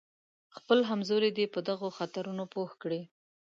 خپل همزولي دې په دغو خطرونو پوه کړي.